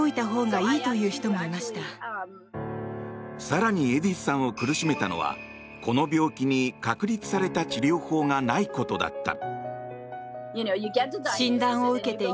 更に、エディスさんを苦しめたのはこの病気に確立された治療法がないことだった。